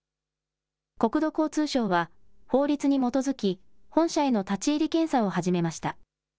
国土交通省は、法律に基づき、本社への立ち入り検査を始めました。